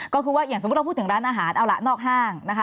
ก็คือว่าอย่างสมมุติเราพูดถึงร้านอาหารเอาละนอกห้างนะคะ